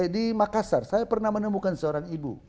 di makassar saya pernah menemukan seorang ibu